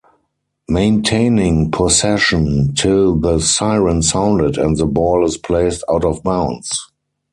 Maintaining possession till the siren sounded and the ball is placed out of bounds.